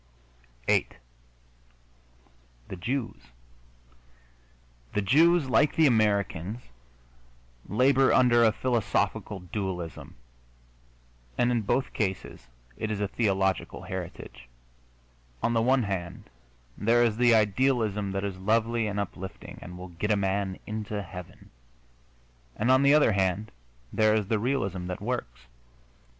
VIII THE JEWS The Jews, like the Americans, labor under a philosophical dualism, and in both cases it is a theological heritage. On the one hand there is the idealism that is lovely and uplifting and will get a man into heaven, and on the other hand there is the realism that works.